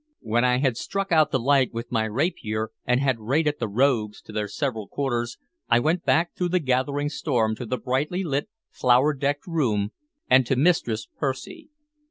When I had struck out the light with my rapier, and had rated the rogues to their several quarters, I went back through the gathering storm to the brightly lit, flower decked room, and to Mistress Percy.